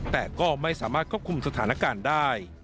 แต่ก็ไม่สามารถควบคุมสถานการณ์ได้